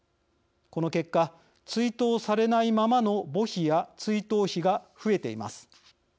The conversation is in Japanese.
この結果追悼されないままの墓碑や追悼碑が増えています。